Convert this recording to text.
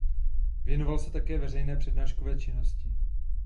Věnoval se také veřejné přednáškové činnosti.